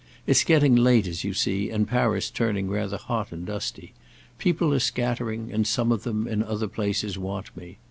It's getting late, as you see, and Paris turning rather hot and dusty. People are scattering, and some of them, in other places want me.